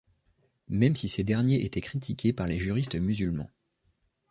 Même si ces derniers étaient critiqués par les juristes musulmans.